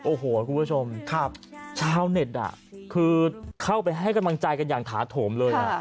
โอ้โหคุณผู้ชมชาวเน็ตคือเข้าไปให้กำลังใจกันอย่างถาโถมเลย